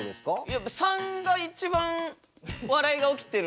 やっぱ３が一番笑いが起きてる。